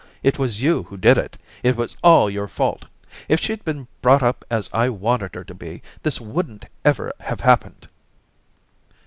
It was you who did it; it was all your fault. If she'd been brought up as I wanted her to be, this wouldn't ever have happened.'